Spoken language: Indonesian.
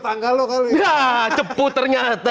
tangga lo kali ya ya cepu ternyata